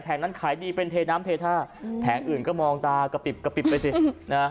นั้นขายดีเป็นเทน้ำเทท่าแผงอื่นก็มองตากระปิบกระปิบไปสินะ